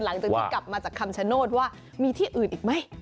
หลังจากที่กลับมาจากคำชโนธว่ามีที่อื่นอีกไหม